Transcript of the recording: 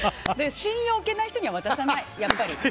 信用を置けない人には渡せない。